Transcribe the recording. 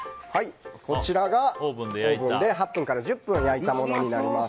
こちらがオーブンで８分から１０分焼いたものになります。